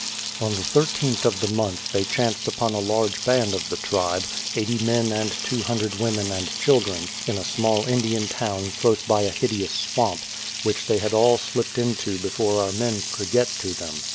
On the 13th of the month they chanced upon a large band o£ the tribe, 80 men and 200 women and children, in a small Indian town close by a hideous swamp, which they all slipped into before our men could get to them.